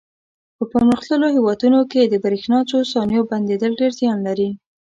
په پرمختللو هېوادونو کې د برېښنا څو ثانیو بندېدل ډېر زیان لري.